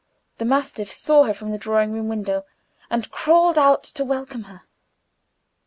The mastiff saw her from the drawing room window, and crawled out to welcome her.